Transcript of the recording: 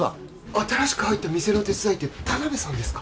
新しく入った店の手伝いって田辺さんですか？